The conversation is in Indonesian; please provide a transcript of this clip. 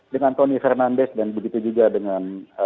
dengan tony fernandes dan begitu juga dengan